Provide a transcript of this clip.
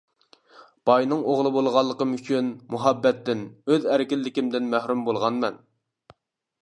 -باينىڭ ئوغلى بولغانلىقىم ئۈچۈن، مۇھەببەتتىن، ئۆز ئەركىنلىكىمدىن مەھرۇم بولغانمەن.